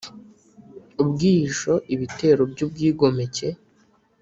ubwihisho ibitero by ubwigomeke